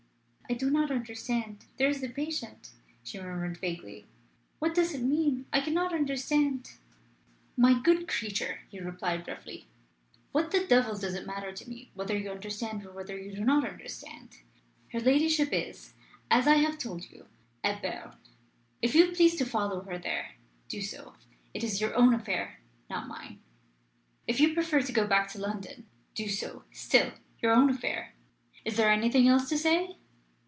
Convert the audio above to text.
"I do not understand. There is the patient," she murmured vaguely. "What does it mean? I cannot understand." "My good creature," he replied roughly, "what the devil does it matter to me whether you understand or whether you do not understand? Her ladyship is, as I have told you, at Berne. If you please to follow her there, do so. It is your own affair, not mine. If you prefer to go back to London, do so. Still your own affair. Is there anything else to say?"